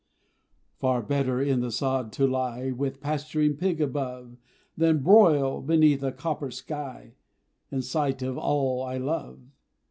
Far better in the sod to lie, With pasturing pig above, Than broil beneath a copper sky In sight of all I love!